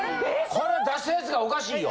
これ出したヤツがおかしいよ。